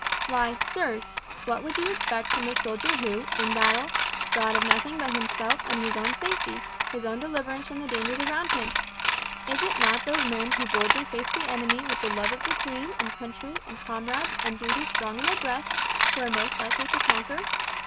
Why, sirs, what would you expect from the soldier who, in battle, thought of nothing but himself and his own safety, his own deliverance from the dangers around him? Is it not those men who boldly face the enemy with the love of Queen and country and comrades and duty strong in their breasts, who are most likely to conquer?